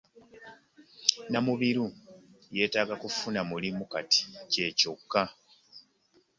Namubiru yeetaaga kufuna mulimu kati kye kyokka.